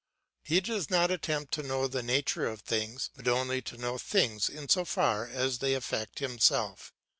He does not attempt to know the nature of things, but only to know things in so far as they affect himself.